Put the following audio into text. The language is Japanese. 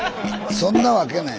そんなわけない。